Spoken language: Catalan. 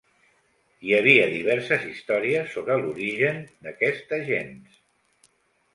Hi havia diverses històries sobre l'origen d'aquesta gens.